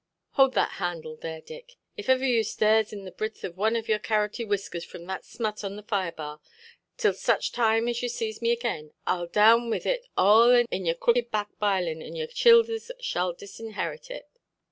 Hould that handle there, Dick. If iver you stirs it the bridth of one on your carroty whiskers from that smut on the firebar, till such time as you sees me agin, Iʼll down with it arl in your crooked back bilinʼ, and your chilthers shall disinherit it".